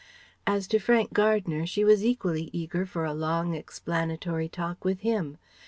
As to Frank Gardner, she was equally eager for a long explanatory talk with him.